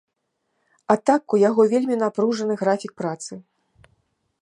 А так у яго вельмі напружаны графік працы.